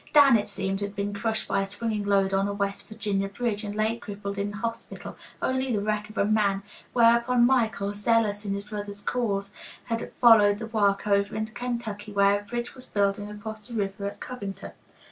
Dan, it seems, had been crushed by a swinging load on a West Virginia bridge, and lay crippled in the hospital, only the wreck of a man, whereupon Michael, zealous in his brother's cause, had followed the work over into Kentucky, where a bridge was building across the river at Covington.